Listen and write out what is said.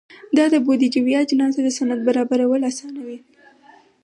دا د بودیجوي اجناسو د سند برابرول اسانوي.